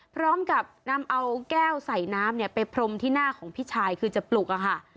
พร้อมกับนำเอาแก้วใส่น้ำเนี่ยไปพรมที่หน้าของพี่ชายคือจะปลุกอะค่ะ